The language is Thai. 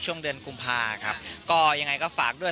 ช่วงเดือนกุมภาครับก็ยังไงก็ฝากด้วย